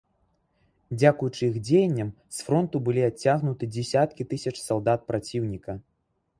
Дзякуючы іх дзеянням, з фронту былі адцягнуты дзесяткі тысяч салдат праціўніка.